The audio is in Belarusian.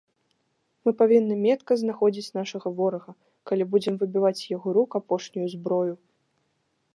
Мы павінны метка знаходзіць нашага ворага, калі будзем выбіваць з яго рук апошнюю зброю.